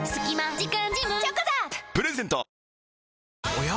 おや？